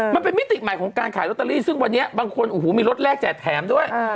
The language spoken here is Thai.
มิติใหม่ของการขายลอตเตอรี่ซึ่งวันนี้บางคนโอ้โหมีรถแรกแจกแถมด้วย